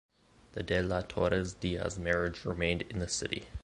The De la Torre-Díaz marriage remained in the City.